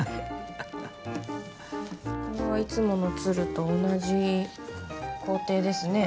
これはいつもの鶴と同じ工程ですね。